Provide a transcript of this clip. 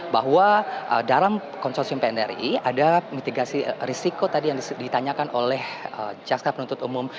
bahwa dalam konsorsium pnri ada mitigasi risiko tadi yang ditanyakan oleh jaksa penuntut umum